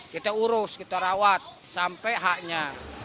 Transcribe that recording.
kita urus kita rawat sampai haknya